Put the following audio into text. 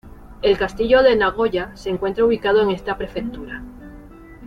El Castillo de Nagoya se encuentra ubicado en esta prefectura.